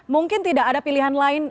mungkin tidak ada pilihan lain